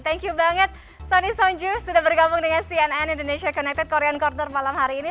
thank you banget sony sonju sudah bergabung dengan cnn indonesia connected korean corner malam hari ini